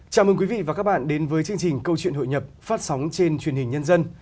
chào mừng quý vị và các bạn đến với chương trình câu chuyện hội nhập phát sóng trên truyền hình nhân dân